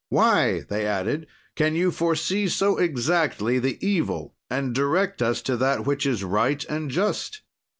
"'Why' they added, 'can you foresee so exactly the evil and direct us to that which is right and just?'